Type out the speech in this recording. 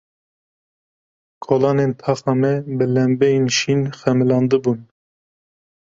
Kolanên taxa me bi lembeyên şîn xemilandibûn.